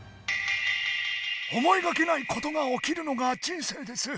思いがけないことが起きるのが人生です。